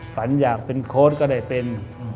ฝันอยากเป็นโค้ดก็ได้เป็น